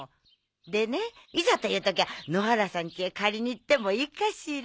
でねいざという時は野原さんちへ借りに行ってもいいかしら？